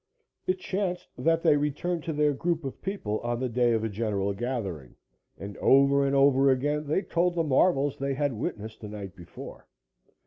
It chanced that they returned to their group of people on the day of a general gathering, and over and over again they told the marvels they had witnessed the night before.